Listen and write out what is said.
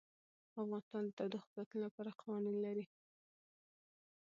افغانستان د تودوخه د ساتنې لپاره قوانین لري.